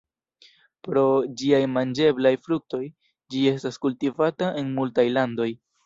Pro ĝiaj manĝeblaj fruktoj ĝi estas kultivata en multaj landoj.